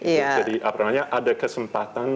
jadi ada kesempatan